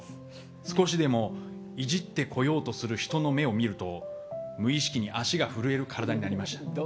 少しでもイジってこようとする人の目を見ると無意識に足が震える体になりました。